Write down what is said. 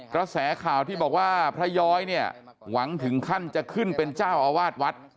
กระแสข่าวที่บอกว่าพระย้อยเนี่ยหวังถึงขั้นจะขึ้นเป็นเจ้าอาวาสวัด